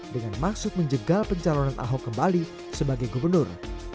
dengan maksud menjegal pencalonan ahok kembali sebagai gubernur